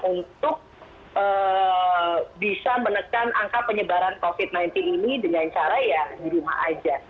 untuk bisa menekan angka penyebaran covid sembilan belas ini dengan cara ya di rumah aja